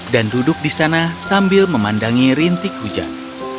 dan duduk di sana sambil memandangi rintik hujan